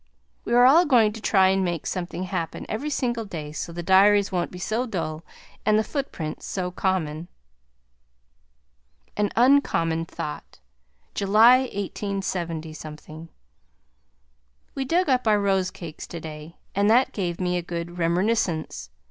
We are all going now to try and make something happen every single day so the diaries won't be so dull and the footprints so common. AN UNCOMMON THOUGHT July 187 We dug up our rosecakes today, and that gave me a good Remerniscence.